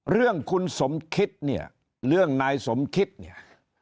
เรื่องคุณสมคิดเนี่ยเรื่องนายสมคิดเนี่ย